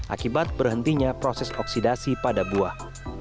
akibat berhentinya proses oksidasi pada buah